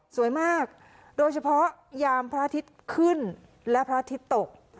สวยมากโดยเฉพาะยามพระอาทิตย์ขึ้นและพระอาทิตย์ตก